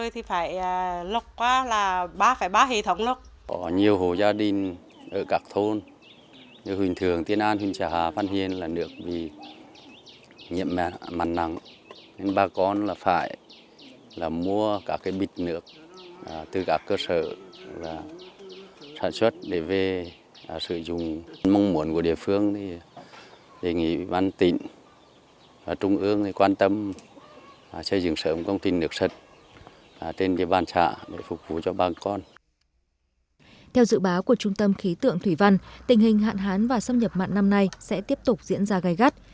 theo dự báo của trung tâm khí tượng thủy văn tình hình hạn hán và xâm nhập mặn năm nay sẽ tiếp tục diễn ra gai gắt